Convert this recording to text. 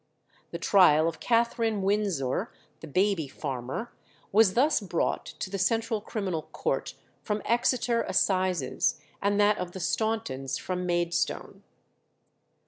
The trial of Catherine Winsor, the baby farmer, was thus brought to the Central Criminal Court from Exeter assizes, and that of the Stauntons from Maidstone.